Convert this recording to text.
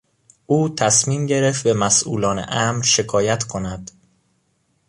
او تصمیم گرفت به مسئولان امر شکایت کند.